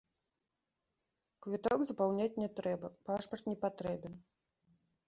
Квіток запаўняць не трэба, пашпарт не патрэбен.